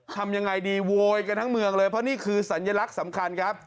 ทำยังไงดีโวยกันทั้งเมืองเลยเพราะนี่คือสัญลักษณ์สำคัญครับ